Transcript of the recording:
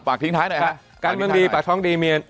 ปากทิ้งท้ายหน่อยฮะ